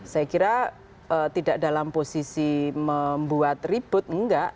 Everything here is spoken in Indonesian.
saya kira tidak dalam posisi membuat ribut enggak